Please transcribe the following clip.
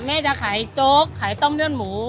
แม่จะขายโจ๊กขายต้มเลือดหมู